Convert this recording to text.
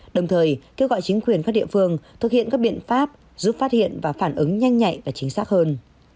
đồng thời kêu gọi chính quyền các địa phương thực hiện các biện pháp giúp phát hiện và phản ứng nhanh nhạy và chính xác hơn